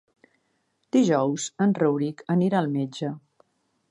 Dijous en Rauric anirà al metge.